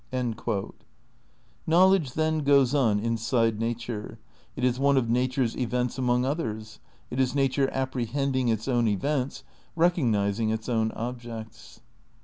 "* Knowledge then goes on inside nature; it is one of nature's events among others; it is nature appre hending its own events, recognising its own objects.